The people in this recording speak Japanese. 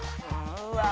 うわ